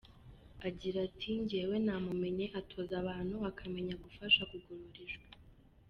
Agira ati “Njyewe namumenye atoza abantu akamenya kugufasha kugorora ijwi.